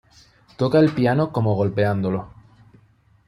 Toca el piano como golpeándolo.